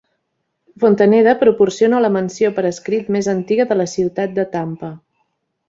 Fontaneda proporciona la menció per escrit més antiga de la ciutat de Tampa.